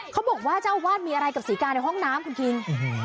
เขาบอกว่าเจ้าอาวาสมีอะไรกับศรีกาในห้องน้ำคุณคิง